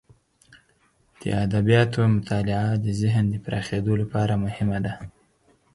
د ادبیاتو مطالعه د ذهن د پراخیدو لپاره مهمه ده.